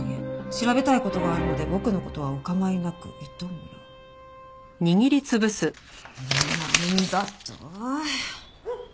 「調べたいことがあるので僕のことはお構いなく」「糸村」なんだと！